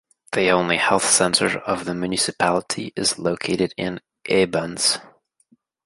The only health centre of the municipality is located in Ibans.